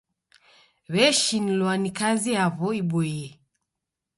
W'eshinulwa ni kazi yaw'o iboie.